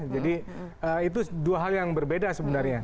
jadi itu dua hal yang berbeda sebenarnya